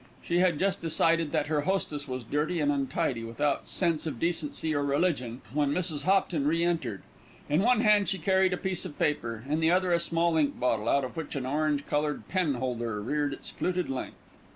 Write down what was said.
She had just decided that her hostess was dirty and untidy, without sense of decency or religion, when Mrs. Hopton re entered. In one hand she carried a piece of paper, in the other a small ink bottle, out of which an orange coloured pen holder reared its fluted length.